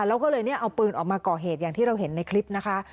แล้วก็เลยเนี่ยเอาปืนออกมาก่อเหตุอย่างที่เราเห็นในคลิปนะคะ